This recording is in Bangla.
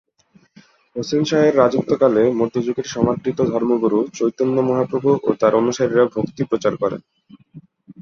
হোসেন শাহের রাজত্বকালে মধ্যযুগের সমাদৃত ধর্মগুরু চৈতন্য মহাপ্রভু ও তার অনুসারীরা ভক্তি প্রচার করেন।